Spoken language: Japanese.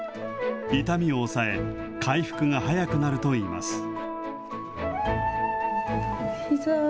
痛みを抑え、回復が早くなるといいます。